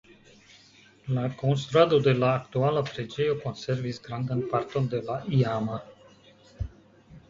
La konstruado de la aktuala preĝejo konservis grandan parton de la iama.